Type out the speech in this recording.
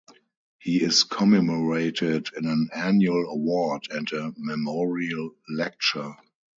He is commemorated in an annual award and a memorial lecture.